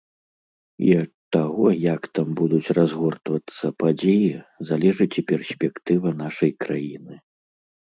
І ад таго, як там будуць разгортвацца падзеі, залежыць і перспектыва нашай краіны.